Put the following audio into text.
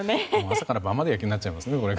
朝から晩まで野球になっちゃいますね。